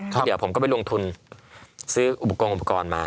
แล้วเดี๋ยวผมก็ไปลงทุนซื้ออุปกรณ์อุปกรณ์มา